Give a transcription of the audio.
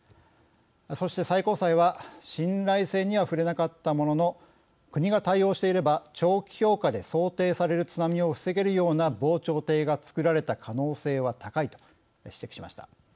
そして最高裁は信頼性には触れなかったものの国が対応していれば長期評価で想定される津波を防げるような防潮堤が作られた可能性は高いと指摘しました。